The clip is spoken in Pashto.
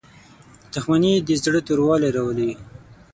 • دښمني د زړه توروالی راولي.